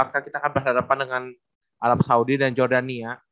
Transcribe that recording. kan kita akan berhadapan dengan arab saudi dan jordania